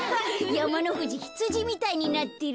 やまのふじひつじみたいになってる。